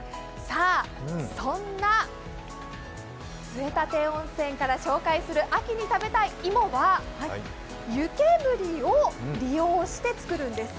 そんな杖立温泉から紹介する秋に食べたい芋は湯けむりを利用して作るんです。